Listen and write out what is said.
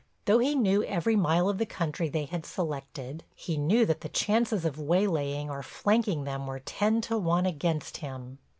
Though he knew every mile of the country they had selected, he knew that the chances of waylaying or flanking them were ten to one against him.